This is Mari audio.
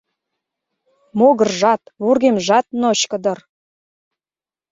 Могыржат, вургемжат ночко дыр.